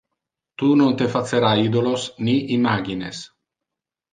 Tu non te facera idolos, ni imagines.